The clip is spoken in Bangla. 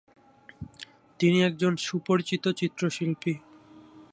তিনি একজন সুপরিচিত চিত্রশিল্পী।